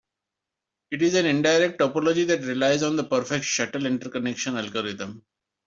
It is an indirect topology that relies on the perfect shuffle interconnection algorithm.